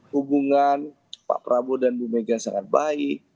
hubungan pak prabowo dan bu mega sangat baik